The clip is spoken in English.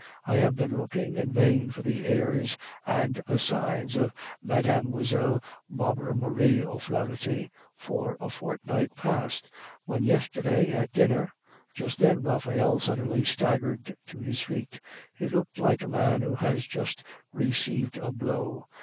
I have been looking in vain for the heirs and assigns of Mlle. Barbara Marie O'Flaharty for a fortnight past, when yesterday at dinner " Just then Raphael suddenly staggered to his feet; he looked like a man who has just received a blow.